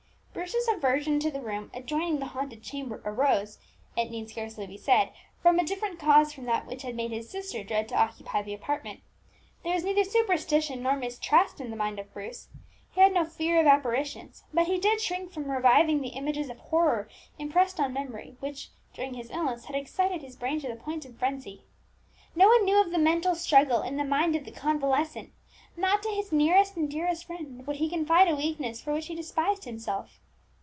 Bruce's aversion to the room adjoining the haunted chamber arose, it need scarcely be said, from a different cause from that which had made his sister dread to occupy the apartment. There was neither superstition nor mistrust in the mind of Bruce; he had no fear of apparitions; but he did shrink from reviving the images of horror impressed on memory, which, during his illness, had excited his brain to the point of frenzy. No one knew of the mental struggle in the mind of the convalescent; not to his nearest and dearest friend would he confide a weakness for which he despised himself.